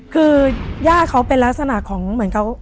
คือย่าเขาเป็นลักษณะของเหมือนเขา